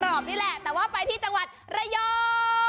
นี่แหละแต่ว่าไปที่จังหวัดระยอง